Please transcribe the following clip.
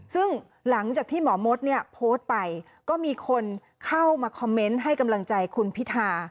ซึ่งหลังจากที่หมอมดเนี่ยโพสต์ไปก็มีคนเข้ามาคอมเมนต์ให้กำลังใจคุณพิธา